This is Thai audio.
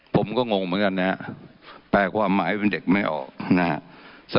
ผมก็งงเหมือนกันนะครับแปลความหมายเป็นเด็กไม่ออกนะฮะ